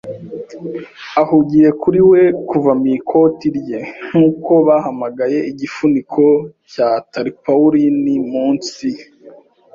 ahugiye kuri we, kuva mu ikoti rye, nkuko bahamagaye igifuniko cya tarpaulin munsi